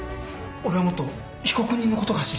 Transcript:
俺はもっと被告人のことが知りたいな。